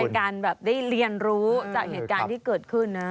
การแบบได้เรียนรู้จากเหตุการณ์ที่เกิดขึ้นนะ